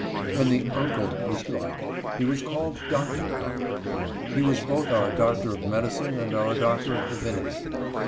When the " Uncle " was dropped, he was called Doctor Copper. He was both our Doctor of Medicine and our Doctor of Divinity.